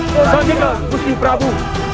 sangat baik puski prabu